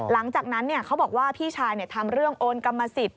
หลังจากนั้นเขาบอกว่าพี่ชายทำเรื่องโอนกรรมสิทธิ